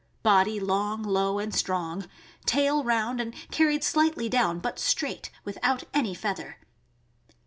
Body long, low, and strong; tail round and carried slightly down, but straight, without any feather.